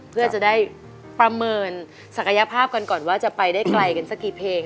เพื่อจะได้ประเมินศักยภาพกันก่อนว่าจะไปได้ไกลกันสักกี่เพลง